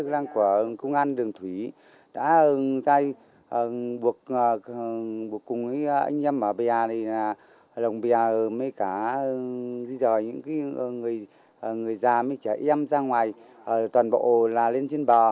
lồng bìa di rời những người già trẻ em ra ngoài toàn bộ lên trên bò